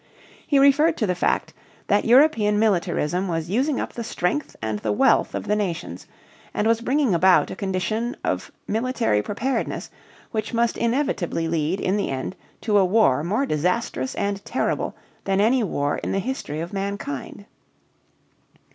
He referred to the fact that European militarism was using up the strength and the wealth of the nations and was bringing about a condition of military preparedness which must inevitably lead in the end to a war more disastrous and terrible than any war in the history of mankind.